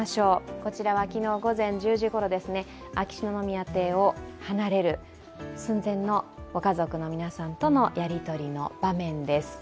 こちらは昨日午前１０時頃秋篠宮邸を離れる寸前のご家族の皆さんとのやりとりの場面です。